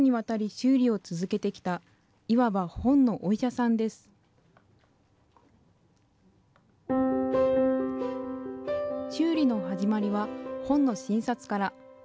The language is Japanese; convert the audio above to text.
修理の始まりは本の診察から。